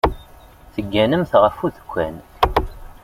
Tegganemt ɣef udekkan.